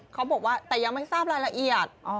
เขาบอกว่าแต่ยังไม่ทราบรายละเอียด